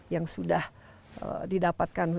yang sudah didapatkan